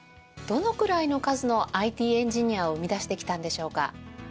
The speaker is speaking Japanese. どのくらいの数のＩＴエンジニアを生み出してきたのでしょうか？